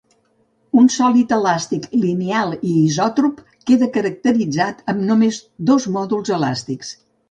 Un sòlid elàstic lineal i isòtrop queda caracteritzat amb només dos mòduls elàstics.